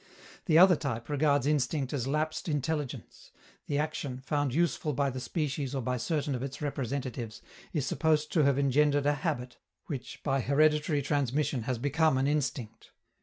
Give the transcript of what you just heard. The other type regards instinct as lapsed intelligence: the action, found useful by the species or by certain of its representatives, is supposed to have engendered a habit, which, by hereditary transmission, has become an instinct.